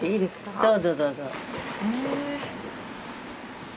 どうぞどうぞ。